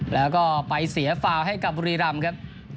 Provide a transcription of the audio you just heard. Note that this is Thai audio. แล้วก็ไปเสียฟาวให้กับบุรีรำครับ